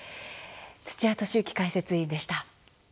土屋敏之解説委員でした。